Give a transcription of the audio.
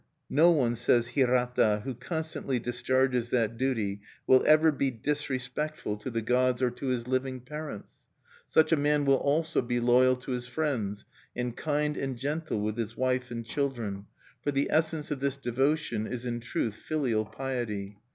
No one, says Hirata, who constantly discharges that duty, will ever be disrespectful to the gods or to his living parents. "Such a man will also be loyal to his friends, and kind and gentle with his wife and children; for the essence of this devotion is in truth filial piety."